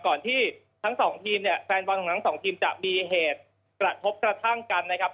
ก่อนที่แฟนบอลของทั้ง๒ทีมจะมีเหตุกระทบกระทั่งกันนะครับ